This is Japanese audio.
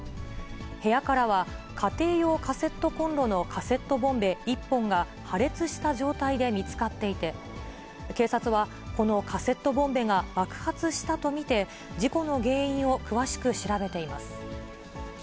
部屋からは、家庭用カセットコンロのカセットボンベ１本が破裂した状態で見つかっていて、警察は、このカセットボンベが爆発したと見て、事故の原因を詳しく調べています。